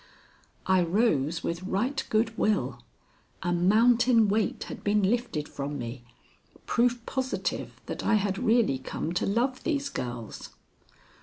I rose with right good will. A mountain weight had been lifted from me, proof positive that I had really come to love these girls.